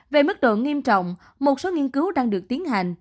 về mức độ nghiêm trọng một số nghiên cứu đang được tiến hành